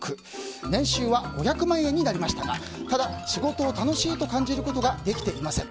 年収は５００万円になりましたがただ、仕事を楽しいと感じることができていません。